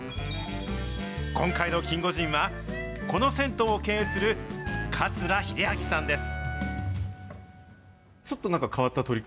今回のキンゴジンは、この銭湯を経営する桂秀明さんです。